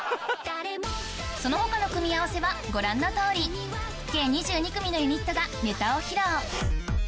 その他の組み合わせはご覧の通り計２２組のユニットがネタを披露